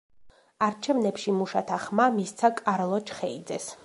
არჩევნებში მუშათა ხმა მისცა კარლო ჩხეიძეს.